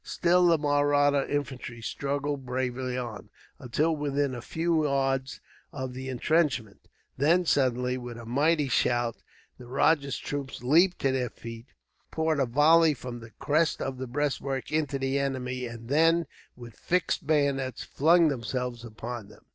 Still the Mahratta infantry struggled bravely on, until within a few yards of the entrenchments. Then, suddenly, with a mighty shout, the rajah's troops leaped to their feet, poured a volley from the crest of the breastwork into the enemy; and then, with fixed bayonets, flung themselves upon them.